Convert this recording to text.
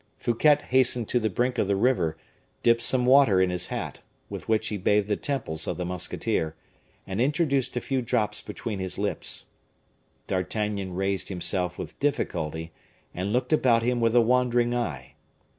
Fouquet hastened to the brink of the river, dipped some water in his hat, with which he bathed the temples of the musketeer, and introduced a few drop between his lips. D'Artagnan raised himself with difficulty, and looked about him with a wandering eye.